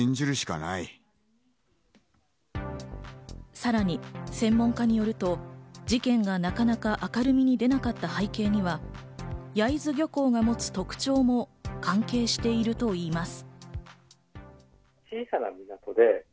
さらに専門家によると、事件がなかなか明るみに出なかった背景には、焼津漁港がもつ特徴も関係しているといいます。